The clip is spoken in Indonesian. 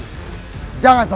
kau sudah menyerang pancacaran